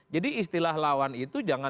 jadi istilah lawan itu jauh lebih jauh